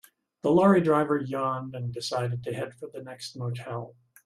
The lorry driver yawned and decided to head for the next motel.